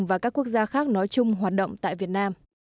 và các quốc gia khác nói chung hoạt động tại việt nam